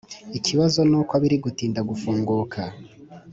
Ikibazo nuko biri gutinda gufunguka